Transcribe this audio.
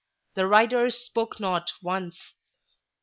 The riders spoke not once.